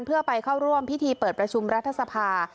เพื่อไปเข้าร่วมพิธีเปิดประชุมรัฐสภา